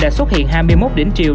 đã xuất hiện hai mươi một đỉnh triều